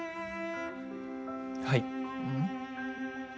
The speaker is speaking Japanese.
はい。